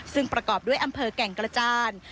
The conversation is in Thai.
ซึ่งประกอบด้วยอำเภอแก่งกระจาน